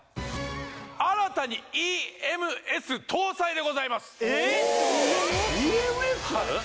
新たにＥＭＳ搭載でございますえっＥＭＳ？